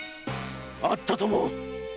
会ったとも！